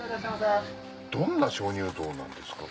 どんな鍾乳洞なんですか？